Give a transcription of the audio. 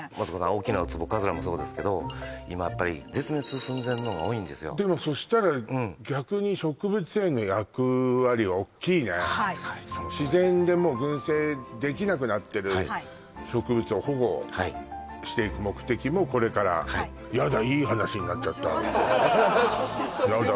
大きなウツボカズラもそうですけど今やっぱり絶滅寸前のが多いんですよでもそしたら逆に自然でもう群生できなくなってる植物を保護していく目的もこれからはいやだいい話になっちゃったやだ